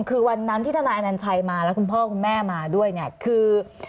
คือวันนั้นที่ทนายอนัญชัยมาแล้วคุณพ่อคุณแม่มาด้วยเนี่ยคือ